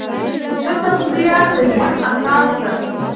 ښه تغذیه د ژوند اساس ده.